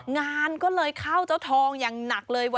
งานก็เลยเข้าเจ้าทองอย่างหนักเลย